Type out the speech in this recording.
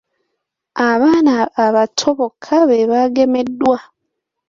Abaana abato bokka be baagemeddwa.